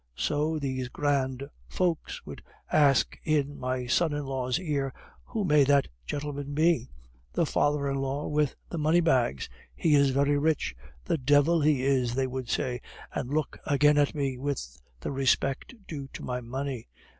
So these grand folks would ask in my son in law's ear, 'Who may that gentleman be?' 'The father in law with the money bags; he is very rich.' 'The devil, he is!' they would say, and look again at me with the respect due to my money.